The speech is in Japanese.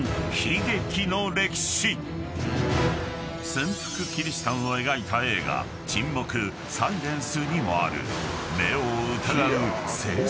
［潜伏キリシタンを描いた映画『沈黙−サイレンス−』にもある］